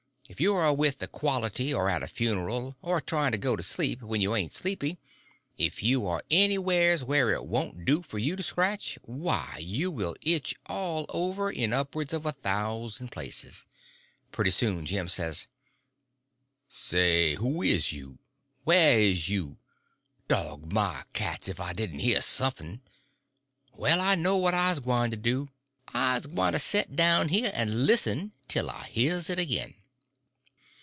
If you are with the quality, or at a funeral, or trying to go to sleep when you ain't sleepy—if you are anywheres where it won't do for you to scratch, why you will itch all over in upwards of a thousand places. Pretty soon Jim says: "Say, who is you? Whar is you? Dog my cats ef I didn' hear sumf'n. Well, I know what I's gwyne to do: I's gwyne to set down here and listen tell I hears it agin."